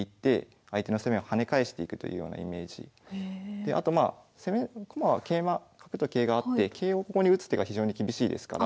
であとまあ攻め駒は桂馬角と桂があって桂をここに打つ手が非常に厳しいですから。